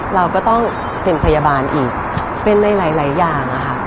เราก็ต้องเป็นพยาบาลอีกเป็นในหลายอย่างค่ะ